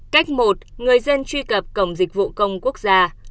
cách một người dân truy cập cổng dịch vụ công quốc gia